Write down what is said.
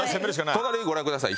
隣ご覧ください。